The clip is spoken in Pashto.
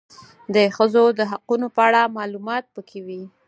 د ښځو د حقونو په اړه معلومات پکي و